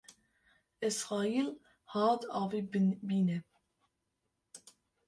Ezraîl hat avê bîne